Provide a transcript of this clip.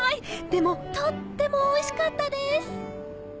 でもとってもおいしかったです